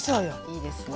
いいですね。